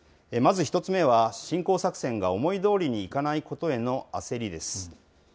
まず１つ目は侵攻作戦が思いどおりにいかないことへの焦りです。